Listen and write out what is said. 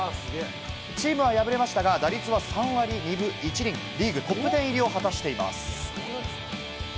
チームは敗れましたが、打率は３割２分１厘、リーグトップ１０入りを果たしています。